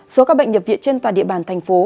số các bệnh nhập viện trên toàn địa bàn thành phố